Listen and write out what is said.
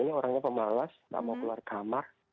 ini orangnya pemalas nggak mau keluar kamar